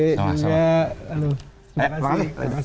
terima kasih pak